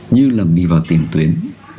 như là đi vào tiềm tuyến